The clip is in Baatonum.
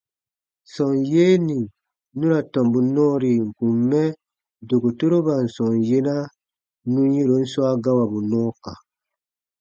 Sɔm yee nì nu ra tɔmbu nɔɔri ǹ kun mɛ dokotoroban sɔm yena nù yɛ̃ron swa gawabu nɔɔ kã.